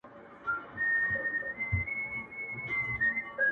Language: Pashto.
د نیمي شپې آذان ته به زوی مړی ملا راسي-